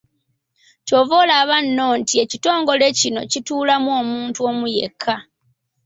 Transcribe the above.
Ky’ova olaba nno nti ekitongole kino kituulamu omuntu omu yekka.